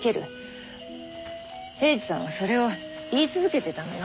精二さんはそれを言い続けてたのよ。